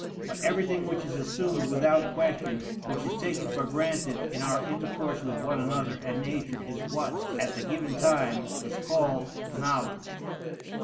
But everything which is assumed without question, which is taken for granted in our intercourse with one another and nature is what, at the given time, is called knowledge.